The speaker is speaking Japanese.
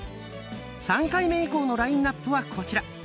３回目以降のラインナップはこちら。